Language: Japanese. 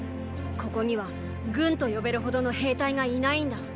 ここには軍と呼べるほどの兵隊がいないんだ。